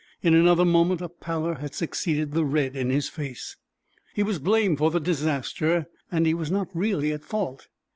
In another moment a pallor had succeeded the red in his face. He was blamed for the disaster, and he was not really at fault.